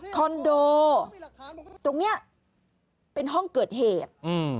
คอนโดตรงนี้เป็นห้องเกิดเหตุ